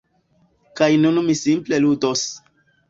Kaj nun mi simple ludos.